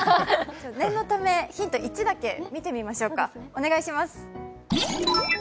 念のため、ヒント１だけ見てみましょうか。